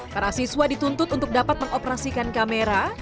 para siswa dituntut untuk dapat mengoperasikan kamera